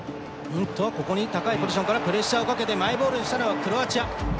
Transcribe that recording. ここに高いポジションからプレッシャーをかけてマイボールにしたのはクロアチア。